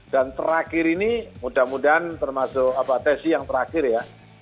dan terakhir ini mudah mudahan termasuk tesi yang terakhir ya